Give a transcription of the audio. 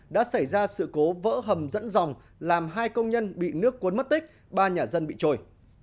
đã xảy ra sự cố vỡ hầm dẫn dòng làm hai công nhân bị nước cuốn mất tích ba nhà dân bị trôi